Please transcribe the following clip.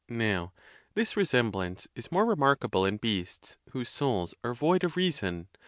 Now this resemblance is more remarkable in beasts, whose souls are void of reason.